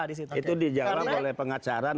itu dijalankan oleh pengacara nanti